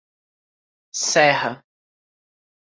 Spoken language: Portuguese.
Serra